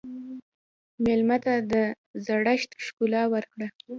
مېلمه ته د زړښت ښکلا ورکړه.